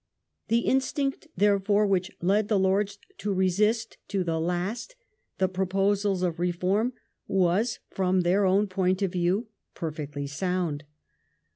The instinct, therefore, which led the Lords to resist to the last the proposals of reform was, from their own point of view, perfectly sound.